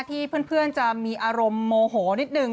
ที่เพื่อนจะมีอารมณ์โมโหนิดนึง